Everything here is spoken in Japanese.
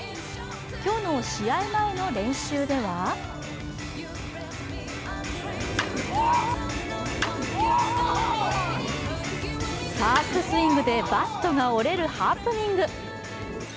今日の試合前の練習ではファーストスイングでバットが折れるハプニング。